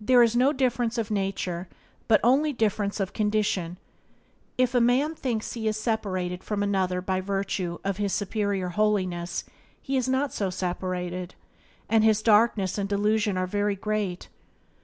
There is no difference of nature but only difference of condition. If a man thinks he is separated from another by virtue of his superior holiness he is not so separated, and his darkness and delusion are very great.